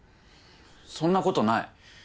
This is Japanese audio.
そんなことない。